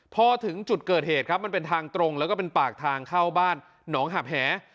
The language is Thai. พอถึงจุดเกิดเหตุครับมันเป็นทางตรงแล้วก็เป็นปากทางเข้าบ้านหนองหาบแห